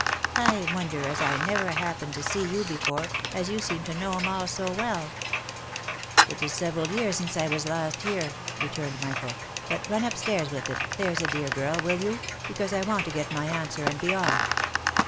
I wonder as I never happened to see you before, as you seem to know 'em all so well." " It is several years since I was last here," returned Michael ;" but run up stairs with it, there's a dear girl, will you ? because I want to get my answer and be off."